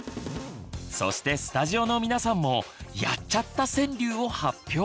そしてスタジオの皆さんも「やっちゃった！」川柳を発表。